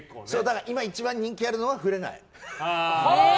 今一番人気あるのは触れない。